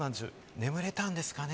眠れたんですかね？